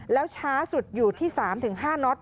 แล้วช้าสุดอยู่ที่๓๕น็อต